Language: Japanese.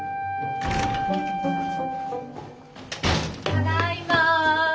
・ただいま。